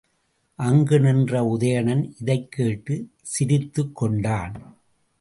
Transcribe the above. அங்கு நின்ற உதயணன் இதைக் கேட்டுச் சிரித்துக் கொண்டான்.